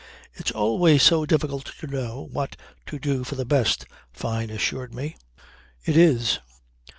"It's always so difficult to know what to do for the best," Fyne assured me. It is.